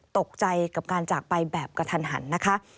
ตกใจกับการจากไปแบบกระทันหันนะคะ